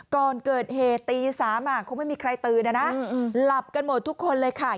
ก่อนเกิดเหตุตี๓คงไม่มีใครตื่นนะนะหลับกันหมดทุกคนเลยค่ะ